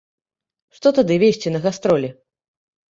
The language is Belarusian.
Што тады везці на гастролі?